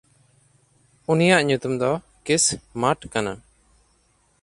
ᱩᱱᱤᱭᱟᱜ ᱧᱩᱛᱩᱢ ᱫᱚ ᱠᱤᱥᱦᱢᱟᱴ ᱠᱟᱱᱟ᱾